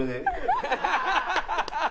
ハハハハ！